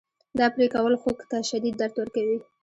دا پرې کول خوک ته شدید درد ورکوي.